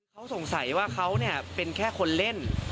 เขาสงสัยว่าเขาเป็นแค่คนเล่น